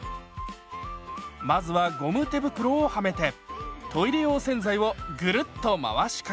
まずはゴム手袋をはめてトイレ用洗剤をぐるっと回しかけます。